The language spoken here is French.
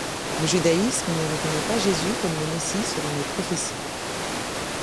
Le judaïsme ne reconnaît pas Jésus comme le Messie selon les prophéties.